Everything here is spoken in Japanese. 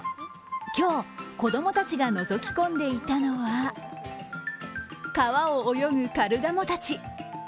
今日、子供たちがのぞき込んでいたのは川を泳ぐカルガモたち。